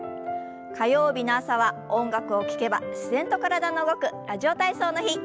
火曜日の朝は音楽を聞けば自然と体が動く「ラジオ体操」の日。